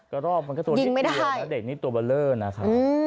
ก็รอบมันก็ตัวนิดเดียวนะเด็กนี่ตัวเบลอนะคะ